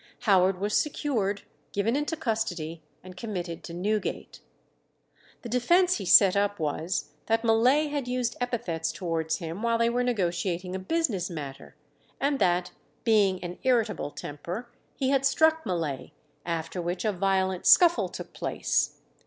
Howard was secured, given into custody, and committed to Newgate. The defence he set up was, that Mullay had used epithets towards him while they were negotiating a business matter, and that, being an irritable temper, he had struck Mullay, after which a violent scuffle took place.